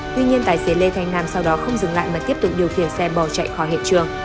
tuy nhiên tài xế lê thanh nam sau đó không dừng lại mà tiếp tục điều khiển xe bỏ chạy khỏi hiện trường